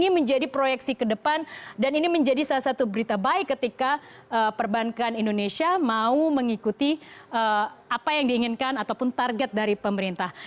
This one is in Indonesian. ini menjadi proyeksi ke depan dan ini menjadi salah satu berita baik ketika perbankan indonesia mau mengikuti apa yang diinginkan ataupun target dari pemerintah